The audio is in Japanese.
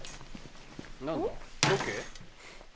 何だロケ？